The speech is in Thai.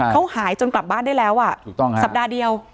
เขาหายจนกลับบ้านได้แล้วสัปดาห์เดียว